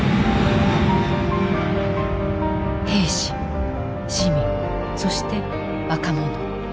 兵士市民そして若者。